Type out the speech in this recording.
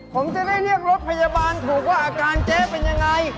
ผมจะได้เรียกรถพยาบาลถูกว่าอาการเจ๊เป็นยังไง